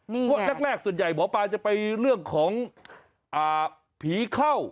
นี่แหลกส่วนใหญ่หมอบานจะไปเรื่องของพี่เข้า